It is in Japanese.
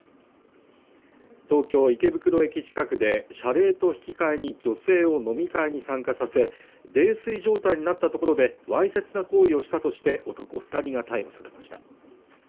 東京池袋駅近くで謝礼と引き換えに女性を飲み会に参加させ泥酔状態になったところでわいせつな行為をしたとして男二人が逮捕されました